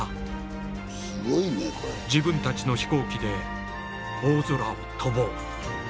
自分たちの飛行機で大空を飛ぼう！